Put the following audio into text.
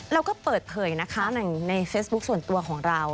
เราก็เปิดเผยนะคะในเฟซบุ๊คส่วนตัวของเรา